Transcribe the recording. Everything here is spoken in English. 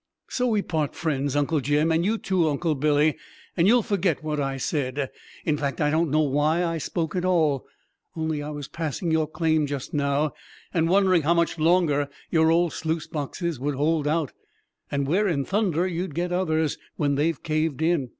So we part friends, Uncle Jim, and you too, Uncle Billy, and you'll forget what I said. In fact, I don't know why I spoke at all only I was passing your claim just now, and wondering how much longer your old sluice boxes would hold out, and where in thunder you'd get others when they caved in!